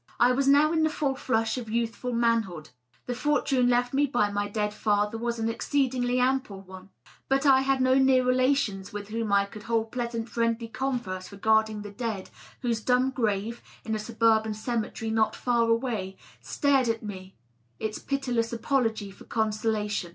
I was now in the full flush of youthful manhood. The fortune left me by my dead father was an exceedingly ample one. But I had no near relations, no one with whom I could hold pleasant friendly converse regarding the dead, whose dumb grave, in a suburban cemetery not far away, stared at me its pitiless apology for consolation.